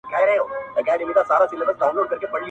خبره له خبري پيدا کېږي.